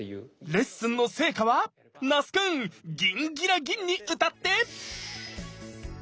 レッスンの成果は⁉那須くんギンギラギンに歌って！